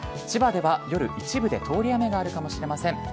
千葉では夜、一部で通り雨があるかもしれません。